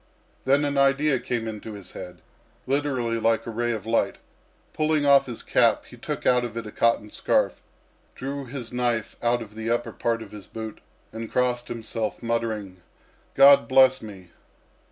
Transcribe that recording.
Then an idea came into his head, literally like a ray of light. Pulling off his cap, he took out of it a cotton scarf, drew his knife out of the upper part of his boot, and crossed himself, muttering, "God bless me!"